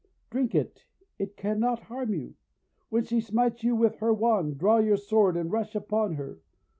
Drink it; it cannot harm you. When she smites you with her wand, draw your sword and rush upon her.